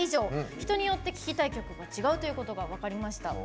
人によって聴きたい曲が違うということが分かりました。